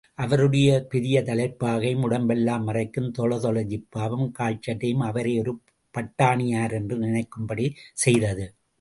அவருடைய பெரிய தலைப்பாகையும், உடம்பெல்லாம் மறைக்கும் தொளதொள ஜிப்பாவும் கால்சட்டையும் அவரை ஒரு பட்டாணியர் என்று நினைக்கும்படி செய்தது.